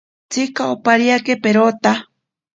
Tsika opariake perota.